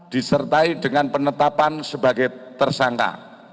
disertai dengan penetapan sebagai tersangka